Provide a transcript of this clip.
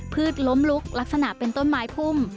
ล้มลุกลักษณะเป็นต้นไม้พุ่ม